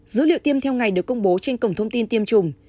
dữ liệu tiêm theo ngày được công bố trên cổng thông tin tiêm chủng